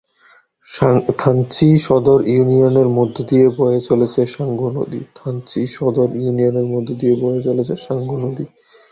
থানচি সদর ইউনিয়নের মধ্য দিয়ে বয়ে চলেছে সাঙ্গু নদী।